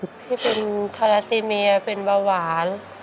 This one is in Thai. ที่เป็นคาราซีเมียเป็นเบาหวาน